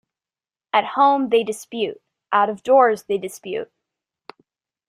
At home they dispute, out of doors they dispute.